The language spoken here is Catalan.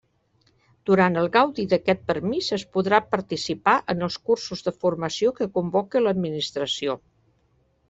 Durant el gaudi d'aquest permís es podrà participar en els cursos de formació que convoque l'Administració.